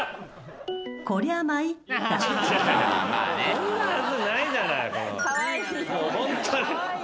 こんなはずないじゃない。